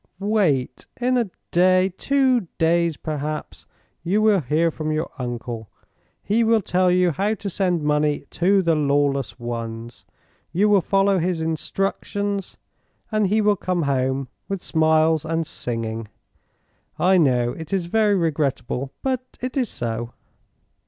"Wait. In a day two days, perhaps you will hear from your uncle. He will tell you how to send money to the lawless ones. You will follow his instructions, and he will come home with smiles and singing. I know. It is very regrettable, but it is so."